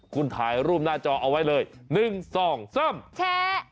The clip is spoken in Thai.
คุณถ่ายรูปหน้าจอเอาไว้เลย๑๒๓แชร์